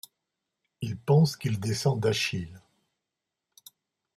Il pense qu'il descend d'Achille.